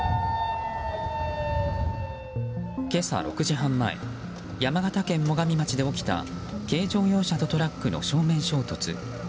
今朝６時半前山形県最上町で起きた軽乗用車とトラックの正面衝突。